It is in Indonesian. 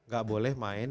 gak boleh main